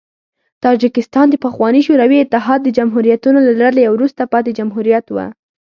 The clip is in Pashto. تاجکستان د پخواني شوروي اتحاد د جمهوریتونو له ډلې یو وروسته پاتې جمهوریت و.